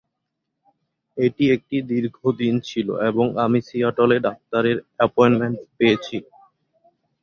এটি একটি দীর্ঘ দিন ছিল এবং আমি সিয়াটলে ডাক্তারের অ্যাপয়েন্টমেন্ট পেয়েছি।